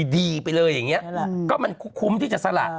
ดีไปเลยอย่างนี้ก็มันคุ้มที่จะสละ